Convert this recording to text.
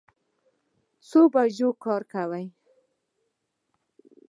څو بجې کار کوئ؟